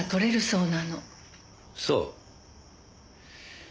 そう。